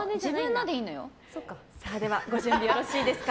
ご準備よろしいですか。